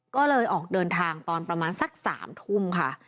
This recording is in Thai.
ก็เลยออกเดินทางตอนประมาณสัก๓ทุ่มค่ะ